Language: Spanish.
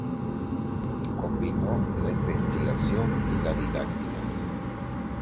Combinó la investigación y la didáctica.